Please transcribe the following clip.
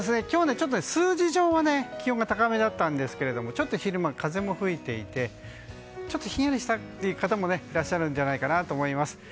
今日はちょっと数字上は気温が高めだったんですがちょっと昼間は風も吹いていてちょっとひんやりした方もいらっしゃるんじゃないかと思います。